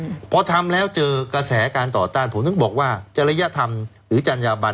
อืมพอทำแล้วเจอกระแสการต่อต้านผมถึงบอกว่าจริยธรรมหรือจัญญาบัน